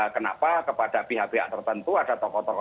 kenapa kepada pihak pihak tertentu ada tokoh tokoh